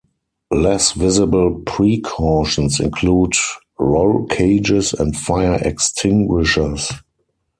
Less visible precautions include roll cages and fire extinguishers.